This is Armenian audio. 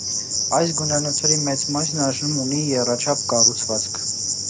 Այս գունանյութերի մեծ մասն այժմ ունի եռաչափ կառուցվածք։